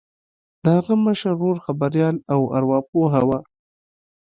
د هغه مشر ورور خبریال او ارواپوه و